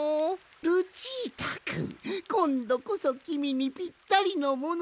ルチータくんこんどこそきみにぴったりのものをみつけたぞい！